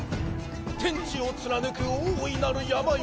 天地を貫く大いなる山よ